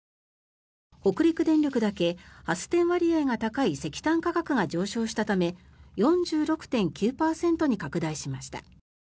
北陸電力だけ発電割合が高い石炭価格が上昇したため４６．９％に拡大しました。